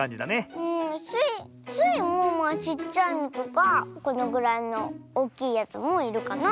スイもちっちゃいのとかこのぐらいのおっきいやつもいるかな。